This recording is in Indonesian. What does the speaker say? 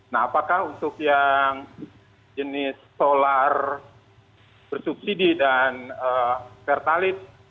nah apakah untuk yang jenis solar bersubsidi dan pertalite